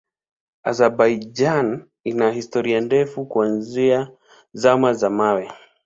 Azerbaijan ina historia ndefu kuanzia Zama za Mawe.